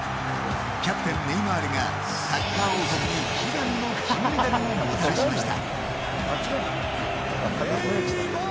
キャプテン・ネイマールがサッカー王国に悲願の金メダルをもたらしました。